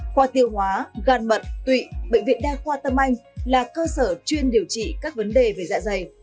khoa tiêu hóa gan mật tụy bệnh viện đa khoa tâm anh là cơ sở chuyên điều trị các vấn đề về dạ dày